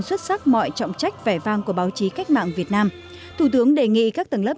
xuất sắc mọi trọng trách vẻ vang của báo chí cách mạng việt nam thủ tướng đề nghị các tầng lớp